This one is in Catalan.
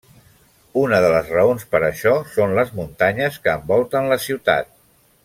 Una de les raons per això són les muntanyes que envolten la ciutat.